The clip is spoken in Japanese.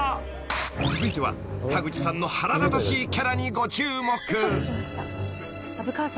［続いては田口さんの腹立たしいキャラにご注目］